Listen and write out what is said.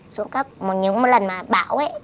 xuống cấp một những lần mà bão ấy